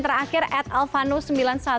terima kasih tante minh